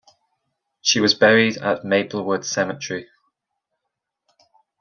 She was buried at Maplewood Cemetery.